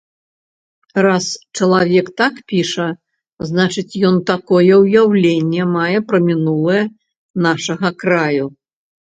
Раз чалавек так піша, значыць, ён такое ўяўленне мае пра мінулае нашага краю.